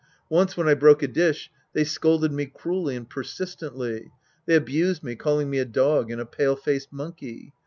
Once when I broke a dish, they scolded me cruelly and persistently. They abused me, calling me a dog and a pale faced monkey.